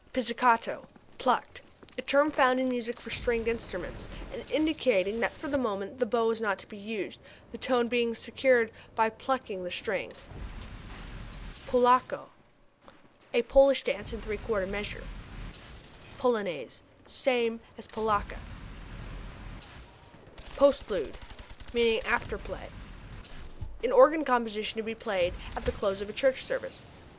Pizzicato plucked. A term found in music for stringed instruments, and indicating that for the moment the bow is not to be used, the tone being secured by plucking the string. Polacca a Polish dance in three quarter measure. Polonaise same as polacca. Postlude (lit. after play) an organ composition to be played at the close of a church service.